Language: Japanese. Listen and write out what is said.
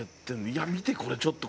いや見てこれちょっと。